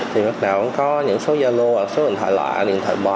thì bắt đầu ổng có những số gia lô số điện thoại loại điện thoại bò